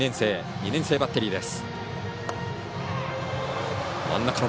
２年生バッテリーです。